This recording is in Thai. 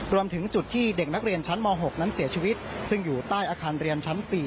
รวมถึงจุดที่เด็กนักเรียนชั้นม๖นั้นเสียชีวิตซึ่งอยู่ใต้อาคารเรียนชั้น๔